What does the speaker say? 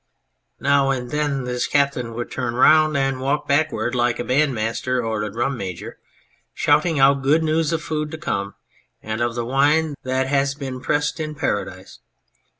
Now and then this captain would turn round and walk backward like a bandmaster or a drum major, shouting out good news of food to come and of the wine that has been pressed in Paradise.